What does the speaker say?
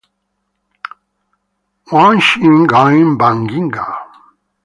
個比喻真係好正，夠晒形象化